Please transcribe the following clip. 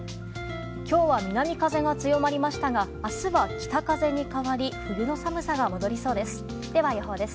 今日は南風が強まりましたが明日は北風に変わり冬の寒さが戻りそうです。